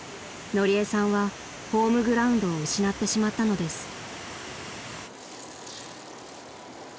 ［のりえさんはホームグラウンドを失ってしまったのです］